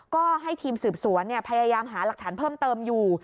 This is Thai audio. ก็ให้ทีมสืบสวนพยายามหาหลักฐานเพิ่มเติมอยู่